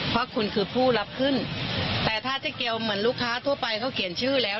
เพราะคุณคือผู้รับขึ้นแต่ถ้าเจ๊เกียวเหมือนลูกค้าทั่วไปเขาเขียนชื่อแล้ว